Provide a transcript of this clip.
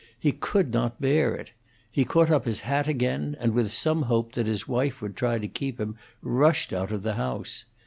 He could not bear it. He caught up his hat again, and, with some hope that his wife would try to keep him, rushed out of the house.